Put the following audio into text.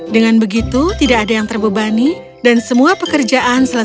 dengan begitu tidak ada yang terbebani dan semua pekerjaan selesai